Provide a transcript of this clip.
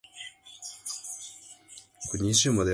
The wall was built during the Roman era and was dedicated to Saturn.